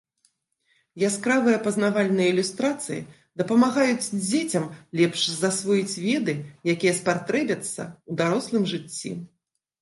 Яскравыя пазнавальныя ілюстрацыі дапамагаюць дзецям лепш засвоіць веды, якія спатрэбяцца ў дарослым жыцці.